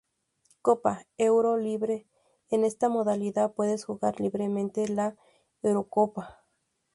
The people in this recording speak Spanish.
Copa Euro libre: En esta modalidad puedes jugar libremente la Eurocopa.